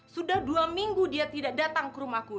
sudah dua minggu dia tidak datang ke rumahku